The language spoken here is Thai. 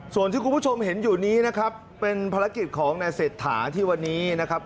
ส่วนที่คุณผู้ชมเห็นอยู่นี้นะครับเป็นภารกิจของนายเศรษฐาที่วันนี้นะครับ